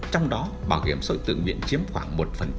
trong đó bảo hiểm xã hội tự nguyện chiếm khoảng một